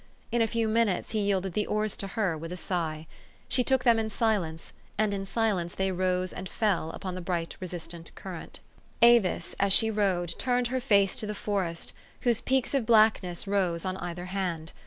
In a few minutes he yielded the oars to her with a sigh. She took them in silence, and in silence they rose and fell upon the bright resistant current. Avis, as she rowed, turned her face to the forest, whose peaks of blackness rose on either hand.